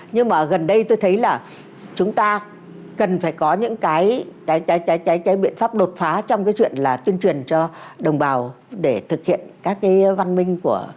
nhưng mà gần đây tôi thấy là chúng ta cần phải có những cái biện pháp đột phá trong cái chuyện là tuyên truyền cho đồng bào để thực hiện các cái văn minh của